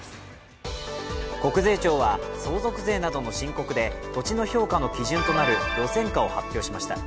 国税庁は相続税などの申告で土地の評価の基準となる路線価を発表しました。